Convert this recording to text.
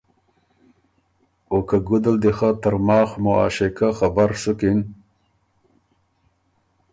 او که ګُده ل دی خه ترماخ معاشقه خبر سُکِن،